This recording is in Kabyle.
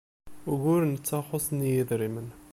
Ugur netta xuṣṣen-iyi yedrimen.